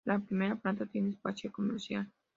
La primera planta tiene espacio comercial.